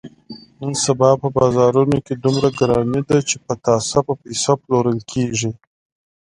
نن سبا په بازارونو کې دومره ګراني ده، چې پتاسه په پیسه پلورل کېږي.